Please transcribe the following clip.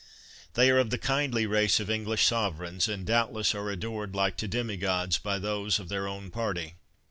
They are of the kindly race of English sovereigns, and, doubtless, are adored like to demigods by those of their own party.